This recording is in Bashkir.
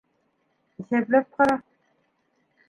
Иҫәпләп ҡара.